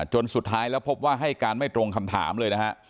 จนสุดท้ายแล้วพบว่าให้การไม่ตรงคำถามเลยนะฮะ